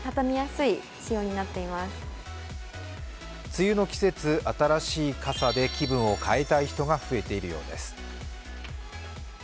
梅雨の季節、新しい傘で気分を変えたい人が増えているようです。